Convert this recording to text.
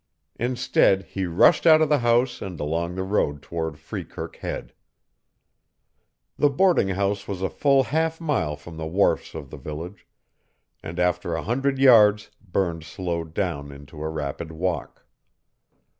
Instead he rushed out of the house and along the road toward Freekirk Head. The boarding house was a full half mile from the wharfs of the village, and after a hundred yards Burns slowed down into a rapid walk.